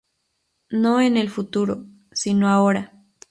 No en el futuro, sino ahora.